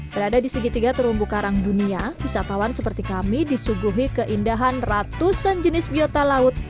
berada di segitiga terumbu karang dunia wisatawan seperti kami disuguhi keindahan ratusan jenis biota laut